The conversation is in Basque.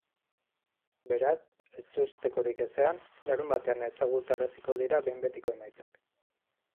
Beraz, ezustekorik ezean, larunbatean ezagutaraziko dira behin betiko emaitzak.